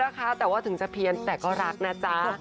นะคะแต่ว่าถึงจะเพี้ยนแต่ก็รักนะจ๊ะ